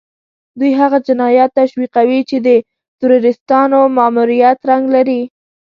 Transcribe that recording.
دوی هغه جنايات تشويقوي چې د تروريستانو ماموريت رنګ لري.